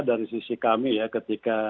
dari sisi kami ya ketika